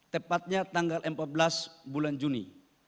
tepatnya tanggal empat belas bulan juni